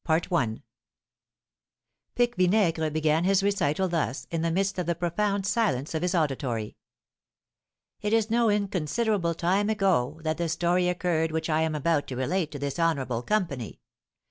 Pique Vinaigre began his recital thus, in the midst of the profound silence of his auditory: "It is no inconsiderable time ago that the story occurred which I am about to relate to this honourable company.